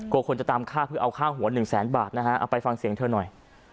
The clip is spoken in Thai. คนจะตามฆ่าเพื่อเอาค่าหัวหนึ่งแสนบาทนะฮะเอาไปฟังเสียงเธอหน่อย